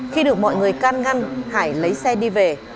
khi được mọi người can ngăn hải lấy xe đi về